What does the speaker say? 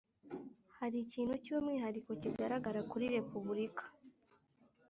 Hari ikintu cy umwihariko kigaragara kuri repubulika